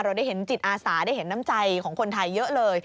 ได้เห็นจิตอาสาได้เห็นน้ำใจของคนไทยเยอะเลย